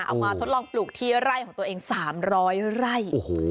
เอามาทดลองปลูกที่ไร่ของตัวเองสามร้อยไร่โอ้โห